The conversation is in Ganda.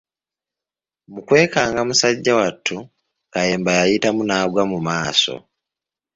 Mu kwekanga musajja wattu Kayemba yayitamu n’agwa mu maaso.